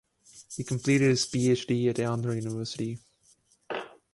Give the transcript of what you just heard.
He completed his Phd at Andhra University.